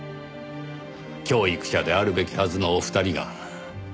教育者であるべきはずのお二人が。